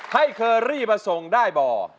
ให้เคอรี่ประสงค์ได้บ่